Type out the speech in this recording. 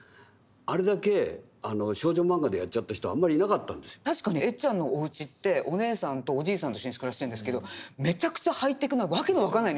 僕の方で補足するとしたら確かにエッちゃんのおうちってお姉さんとおじいさんと一緒に暮らしてるんですけどめちゃくちゃハイテクな訳の分からない家に住んでるんですよ。